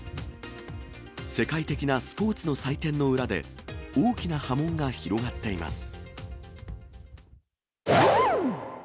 世界的なスポーツの祭典の裏で、大きな波紋が広がっています。